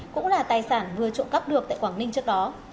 cũng là tài sản vừa trộm cắp được tại quảng ninh trước đó